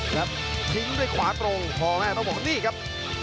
แล้วทิ้งด้วยขวาตรงคอแม่ต้องบอกนี่ครับ